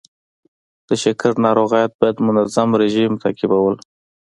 د شکر ناروغان باید منظم رژیم تعقیبول.